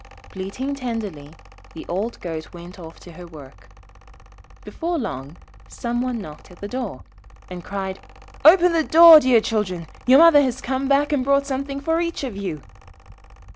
Bleating tenderly, the old Goat went off to her work. Before long, some one knocked at the door, and cried 'Open the door, dear children! Your mother has come back and brought something for each of you.'